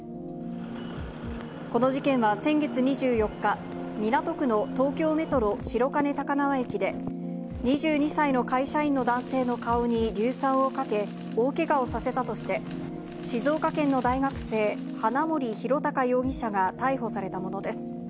この事件は、先月２４日、港区の東京メトロ白金高輪駅で、２２歳の会社員の男性の顔に硫酸をかけ、大けがをさせたとして、静岡県の大学生、花森弘卓容疑者が逮捕されたものです。